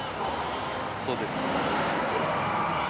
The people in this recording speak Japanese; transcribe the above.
そうです。